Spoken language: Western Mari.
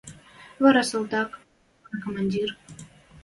Вара — салтак, вара — командир.